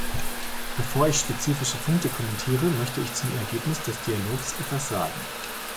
Bevor ich spezifische Punkte kommentiere, möchte ich zum Ergebnis des Dialogs etwas sagen.